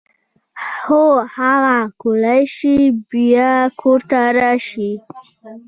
هو هغه کولای شي بیا کار ته راشي.